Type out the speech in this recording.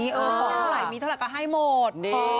ให้เท่าไหร่มีเท่าไหร่ก็ให้หมด